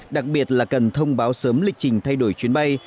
đặc biệt là cần thông báo sớm lịch trình thay đổi chuyến bay